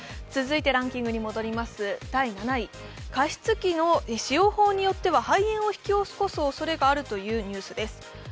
続いてランキングに戻ります、第７位、加湿器の使用法によっては肺炎を引き起こすおそれがあるというニュースです。